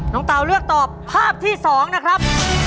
น้องเต๋าเลือกตอบภาพที่สองนะครับ